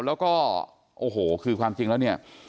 แล้วก็คือความจริงแล้ว